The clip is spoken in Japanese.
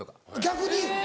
逆に？